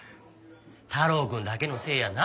太郎くんだけのせいやないよ！